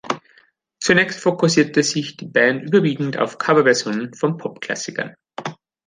Zunächst fokussierte sich die Band überwiegend auf Coverversionen von Pop-Klassikern.